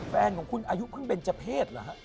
แฟนของคุณอายุคงเป็นเจ้าเพศล่ะ